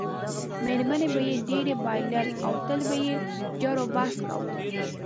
میرمنې به یې ډېری بایلل او تل به یې جروبحث کاوه.